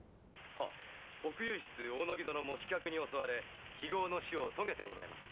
奥右筆・大野木殿も刺客に襲われ非業の死を遂げています。